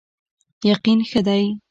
یقین ښه دی.